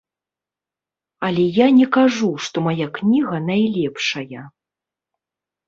Але я не кажу, што мая кніга найлепшая.